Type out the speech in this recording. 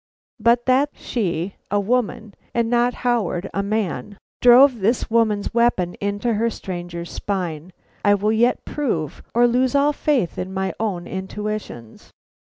But that she, a woman, and not Howard, a man, drove this woman's weapon into the stranger's spine, I will yet prove, or lose all faith in my own intuitions.